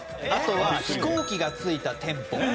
あとは飛行機が付いた店舗。